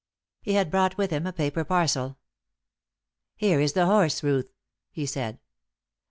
He had brought with him a paper parcel. "Here is the horse, Ruth," he said.